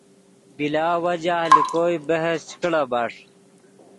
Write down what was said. بلا وجہ لے کوئے بحث چے کڑا بݰ